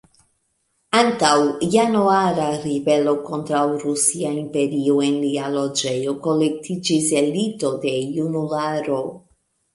Antaŭ Januara Ribelo kontraŭ Rusia Imperio en lia loĝejo kolektiĝis elito de junularo.